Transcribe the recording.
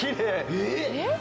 えっ？